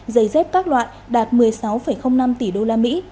giày dép các loại đạt một mươi sáu năm tỷ usd